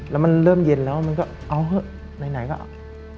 แล้วมันเริ่มเย็นแล้วมันก็เอาเถอะไหนก็เอา